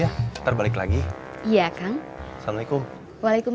oh hari jalan atik kum